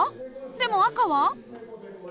でも赤は？